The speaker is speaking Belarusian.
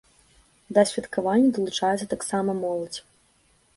Да святкавання далучаецца таксама моладзь.